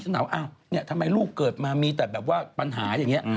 ถามว่าอ้าวเนี่ยทำไมลูกเกิดมามีแต่แบบว่าปัญหาอย่างนี้